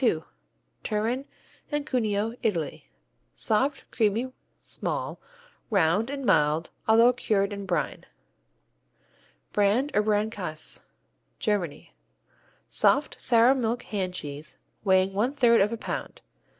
II Turin and Cuneo, Italy Soft, creamy, small, round and mild although cured in brine. Brand or Brandkäse Germany Soft, sour milk hand cheese, weighing one third of a pound.